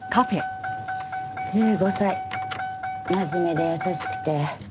１５歳真面目で優しくて。